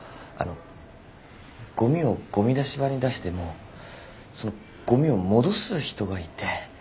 あのごみをごみ出し場に出してもそのごみを戻す人がいて。